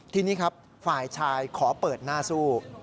ทีนี้ครับฝ่ายชายขอเปิดหน้าสู้